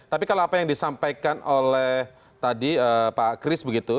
tapi kalau apa yang disampaikan oleh tadi pak kris begitu